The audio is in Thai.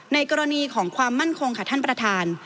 ในกรณีของความมั่นคงค่ะท่านประธาน